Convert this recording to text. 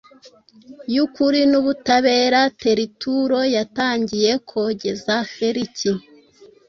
y’ukuri n’ubutabera, Teritulo yatangiye kogeza Feliki